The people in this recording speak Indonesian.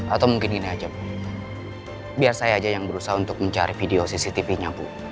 atau mungkin ini aja bu biar saya aja yang berusaha untuk mencari video cctv nya bu